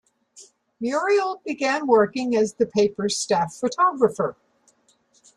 Muriel began working as the paper's staff photographer.